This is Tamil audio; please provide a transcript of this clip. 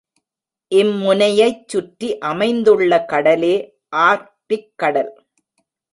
இம் முனையைச் சுற்றி அமைந்துள்ள கடலே ஆர்க்டிக் கடல்.